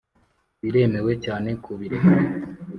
biremewe cyane kubireka.